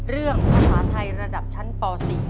เรื่องภาษาไทยระดับชั้นป๔